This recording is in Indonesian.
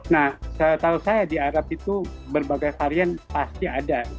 nah setahu saya di arab itu berbagai varian pasti ada